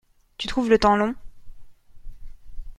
Tu trouves le temps long.